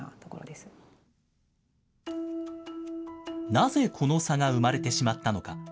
なぜこの差が生まれてしまったのか。